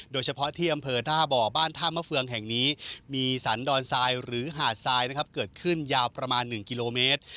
โดยเฉพาะที่อำเภอท่าบ่อบ้านท่ามะเฟืองแห่งนี้มีสรรดอนทรายหรือหาดทรายนะครับเกิดขึ้นยาวประมาณ๑กิโลเมตร